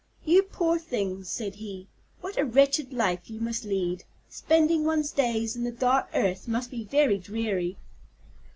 "You poor things," said he, "what a wretched life you must lead. Spending one's days in the dark earth must be very dreary."